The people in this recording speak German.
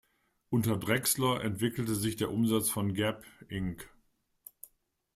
Unter Drexler entwickelte sich der Umsatz von Gap, Inc.